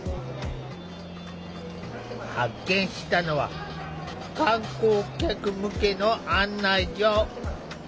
発見したのは観光客向けの案内所。